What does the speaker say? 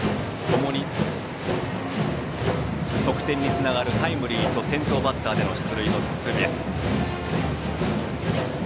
ともに得点につながるタイムリーと先頭バッターでの出塁のツーベース。